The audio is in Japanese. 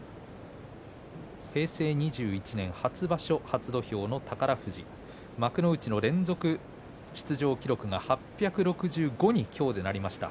平成２１年初場所初土俵の宝富士幕内の連続出場記録が８６５に今日でなりました。